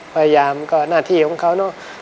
ประหยามก็หน้าที่ของเค้านู่น